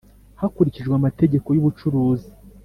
Hakurikijwe amategeko y ubucuruzi